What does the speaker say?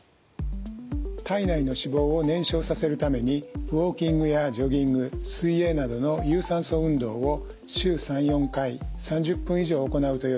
体内の脂肪を燃焼させるためにウォーキングやジョギング水泳などの有酸素運動を週３４回３０分以上行うとよいです。